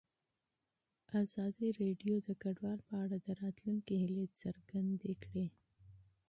ازادي راډیو د کډوال په اړه د راتلونکي هیلې څرګندې کړې.